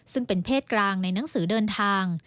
ซึ่งเป็นเพศกลางในหนังสือเดินทาง